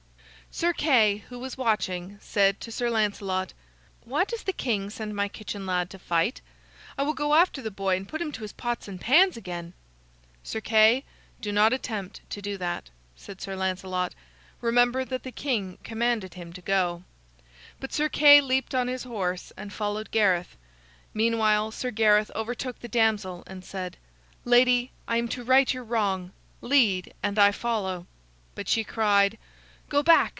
Sir Kay, who was watching, said to Sir Lancelot: "Why does the king send my kitchen lad to fight? I will go after the boy and put him to his pots and pans again." "Sir Kay, do not attempt to do that," said Sir Lancelot. "Remember that the king commanded him to go." But Sir Kay leaped on his horse and followed Gareth. Meanwhile, Sir Gareth overtook the damsel and said: "Lady, I am to right your wrong. Lead and I follow." But she cried: "Go back!